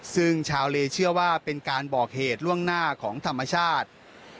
ซึ่งชาวเลเชื่อว่าเป็นการบอกเหตุล่วงหน้าของธรรมชาติ